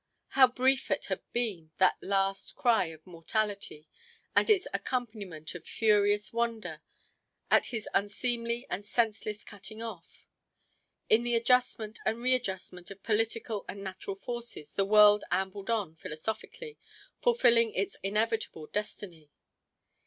How brief it had been, that last cry of mortality, with its accompaniment of furious wonder at his unseemly and senseless cutting off. In the adjustment and readjustment of political and natural forces the world ambled on philosophically, fulfilling its inevitable destiny.